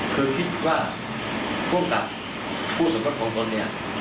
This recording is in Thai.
คือคิดว่าพวกกับผู้สมมติของตัวเนี่ย